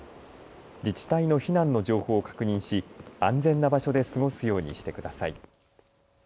自治体の避難の情報を確認し安全な場所で過ごすようにしてください。